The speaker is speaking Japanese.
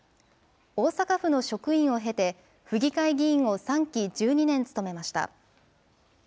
大阪府の職員を経て、府議会議員を３期、１２年務めました。